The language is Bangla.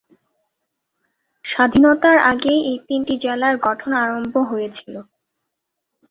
স্বাধীনতার আগেই এই তিনটি জেলার গঠন আরম্ভ হয়েছিল।